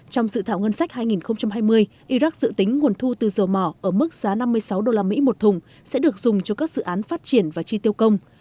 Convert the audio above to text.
trong dự thảo ngân sách hai nghìn hai mươi iraq dự tính nguồn thu từ dầu mỏ ở mức giá năm mươi sáu usd một thùng sẽ được dùng cho các dự án phát triển và chi tiêu công